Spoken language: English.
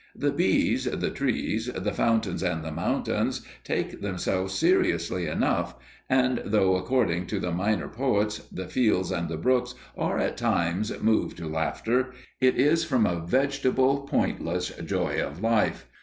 The bees, the trees, the fountains and the mountains take themselves seriously enough, and though, according to the minor poets, the fields and the brooks are at times moved to laughter, it is from a vegetable, pointless joy of life.